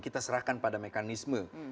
kita serahkan pada mekanisme